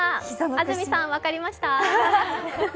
安住さん、分かりました。